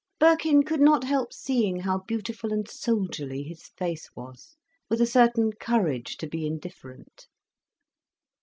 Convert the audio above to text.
Birkin could not help seeing how beautiful and soldierly his face was, with a certain courage to be indifferent.